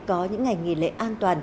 có những ngày nghỉ lễ an toàn